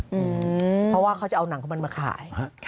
เพราะว่าเขาจะเอาหนังของมันมาขาย